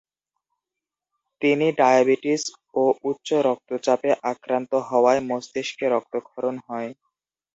তিনি ডায়াবেটিস ও উচ্চ রক্তচাপে আক্রান্ত হওয়ায় মস্তিষ্কে রক্তক্ষরণ হয়।